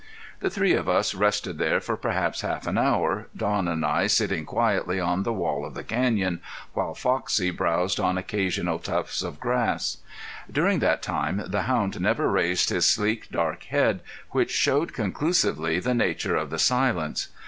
The three of us rested there for perhaps half an hour, Don and I sitting quietly on the wall of the canyon, while Foxie browsed on occasional tufts of grass. During that time the hound never raised his sleek, dark head, which showed conclusively the nature of the silence.